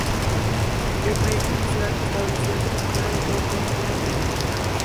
El proyecto inicial establecía que el ayuntamiento fuera dotado con una sala de fiestas.